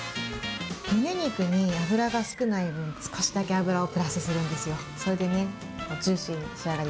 むね肉に脂が少ない分、少しだけ油をプラスするんですよ。